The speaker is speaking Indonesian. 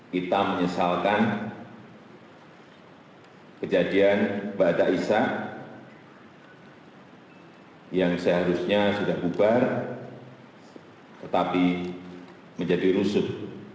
kita menyesalkan kejadian mbak daisah yang seharusnya sudah bubar tetapi menjadi rusuk